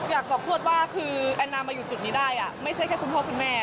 อยากบอกทวดว่าคือแอนนามาอยู่จุดนี้ได้ไม่ใช่แค่คุณพ่อคุณแม่